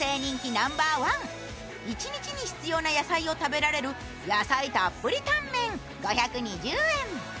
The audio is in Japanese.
一日に必要な野菜を食べられる野菜たっぷりタンメン、５２０円。